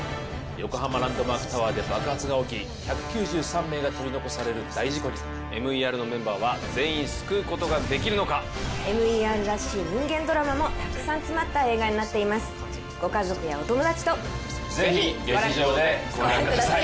横浜・ランドマークタワーで爆発が起き１９３名が取り残される大事故にＭＥＲのメンバーは全員救うことができるのかＭＥＲらしい人間ドラマもたくさん詰まった映画になっていますご家族やお友達とぜひごらご覧ください